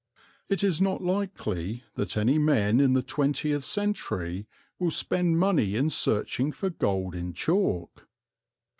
It is not likely that any men in the twentieth century will spend money in searching for gold in chalk.